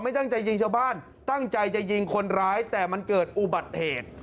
ตั้งใจยิงชาวบ้านตั้งใจจะยิงคนร้ายแต่มันเกิดอุบัติเหตุ